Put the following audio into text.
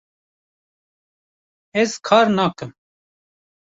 Ez kar nakim